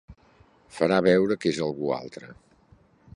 Farà veure que és algú altre.